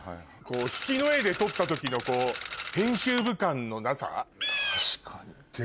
引きの画で撮った時の編集部感のなさ。